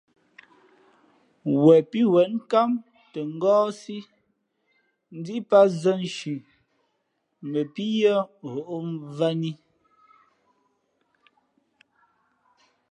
Wen pí wen nkám tα ngάάsí, ndíʼ pat zα nshi mα pǐ yʉ̄ᾱ ghoʼ mvanī.